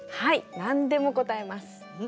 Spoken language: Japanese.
何でも答えます！